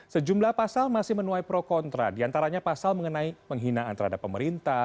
sejumlah pasal masih menuai pro kontra diantaranya pasal mengenai penghinaan terhadap pemerintah